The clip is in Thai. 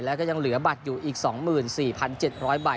แล้วก็ยังเหลือบัตรอยู่อีก๒๔๗๐๐ใบ